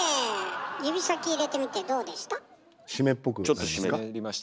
指先入れてみてどうでした？